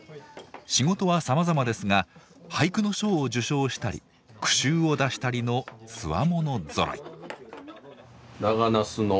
仕事はさまざまですが俳句の賞を受賞したり句集を出したりのつわものぞろい。